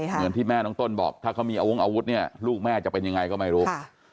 เหมือนที่แม่น้องต้นบอกถ้าเขามีอาวงอาวุธเนี่ยลูกแม่จะเป็นยังไงก็ไม่รู้